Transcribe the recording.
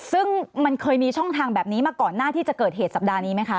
ซึ่งมันเคยมีช่องทางแบบนี้มาก่อนหน้าที่จะเกิดเหตุสัปดาห์นี้ไหมคะ